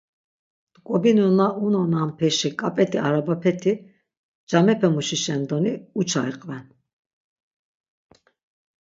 T̆k̆obinu na unonanpeşi k̆ap̆et̆i arabapeti, camepemuşişen doni uça iqven.